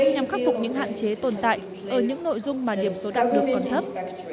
nhằm khắc phục những hạn chế tồn tại ở những nội dung mà điểm số đạt được còn thấp